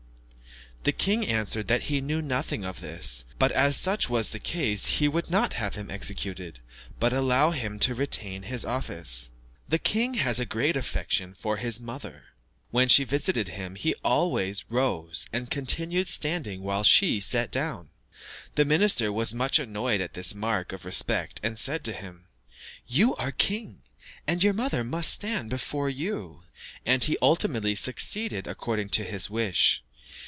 The king answered that he knew nothing of this, but as such was the case he would not have him executed, but allow him to retain his office. The king has a great affection for his mother. When she visited him, he always rose and continued standing, while she sat down. The minister was much annoyed at this mark of respect, and said to him, "You are king, and your mother must stand before you." And he ultimately succeeded according to his wish.